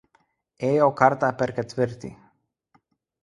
Ėjo kartą per ketvirtį.